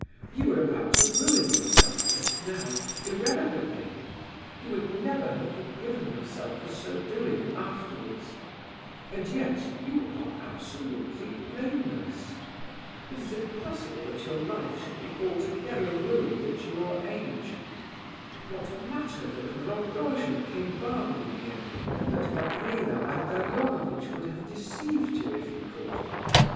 You were about to ruin yourself just now, irrevocably; you would never have forgiven yourself for so doing afterwards; and yet, you are absolutely blameless. It is impossible that your life should be altogether ruined at your age. What matter that Rogojin came bargaining here, and that Gavrila Ardalionovitch would have deceived you if he could?